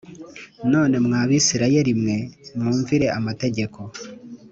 None mwa Bisirayeli mwe mwumvire amategeko